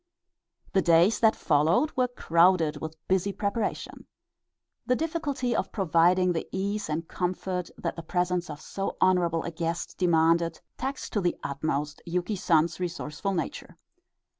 The days that followed were crowded with busy preparation. The difficulty of providing the ease and comfort that the presence of so honorable a guest demanded taxed to the utmost Yuki San's resourceful nature.